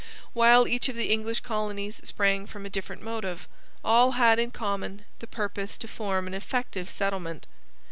While each of the English colonies sprang from a different motive, all had in common the purpose to form an effective settlement.